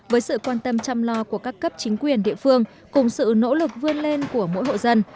với sự quan tâm chăm lo của các cấp chính quyền địa phương cùng sự nỗ lực vươn lên của mỗi hộ dân